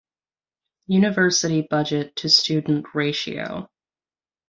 University budget to student ratio.